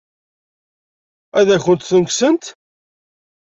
Ad akent-tent-kksent?